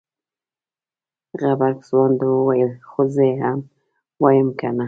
غبرګ ځوان وويل خو زه ام وايم کنه.